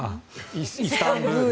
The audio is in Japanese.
イスタンブール。